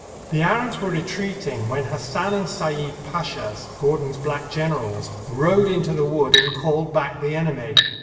The Arabs were retreating, when Hassan and Seid Pashas, Gordon's black generals, rode into the wood and called back the enemy.